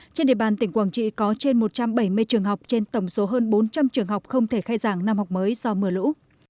trên địa bàn tỉnh quảng trị có trên một trăm bảy mươi trường học trên tổng số hơn bốn trăm linh trường học không thể khai giảng năm học mới do mưa lũ